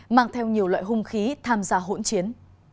mang theo nhiều loại hung khí tham gia hỗn chiến